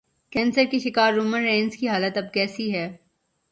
cancer کے شکار Roman Reigns کی حالت اب کیسی ہے